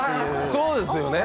そうですよね。